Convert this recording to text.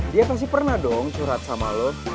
dia pasti pernah dong curhat sama lo